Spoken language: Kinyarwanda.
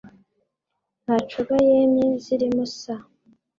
Na Coga yemye zirimo sa